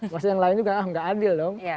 maksudnya yang lain juga ah nggak adil dong